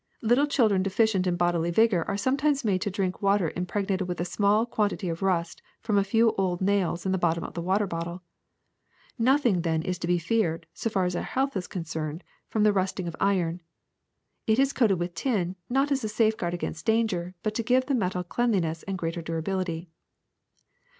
Little children deficient in bodily vigor are sometimes made to drink water impreg nated with a small quantity of rust from a few old nails in the bottom of the water bottle. Nothing, then, is to be feared, so far as our health is concerned, from the rusting of iron ; it is coated with tin, not as a safeguard against danger, but to give the metal cleanliness and greater durability.